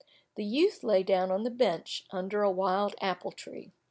The youth lay down on the bench, under a wild apple tree.